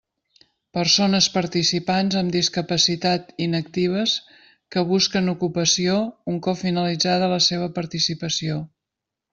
Persones participants amb discapacitat inactives que busquen ocupació un cop finalitzada la seva participació.